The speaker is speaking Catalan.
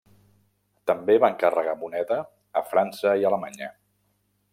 També va encarregar moneda a França i Alemanya.